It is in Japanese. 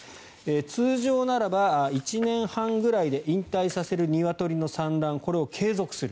通常ならば１年半くらいで引退させるニワトリの産卵これを継続する。